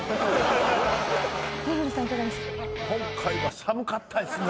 今回は寒かったですね。